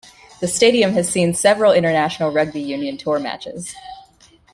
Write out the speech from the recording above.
The stadium has seen several international rugby union tour matches.